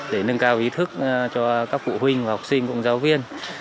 để nâng cao ý thức cho các phụ huynh và học sinh cũng giáo viên